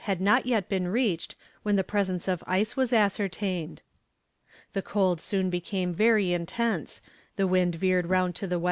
had not yet been reached when the presence of ice was ascertained. The cold soon became very intense, the wind veered round to the W.N.